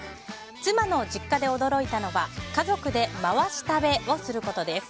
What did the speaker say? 妻の実家で驚いたのは家族で回し食べをすることです。